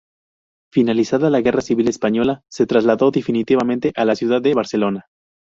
Finalizada la guerra civil española, se trasladó definitivamente a la ciudad de Barcelona.